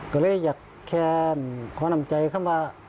ก็เลยอยากแคนขอนำใจเข้ามา